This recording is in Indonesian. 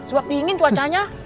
sebab dingin cuacanya